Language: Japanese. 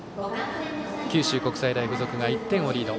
九州国際大付属が１点をリード。